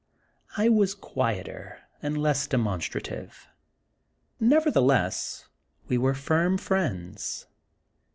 I was quieter, and less demonstrative ; never theless we were firm friends.